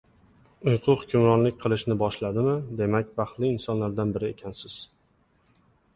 Uyqu hukmronlik qilishni boshladimi, demak baxtli insonlardan biri ekansiz.